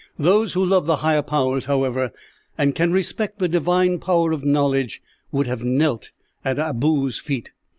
Those who love the higher powers, however, and can respect the divine power of knowledge, would have knelt at Abou's feet.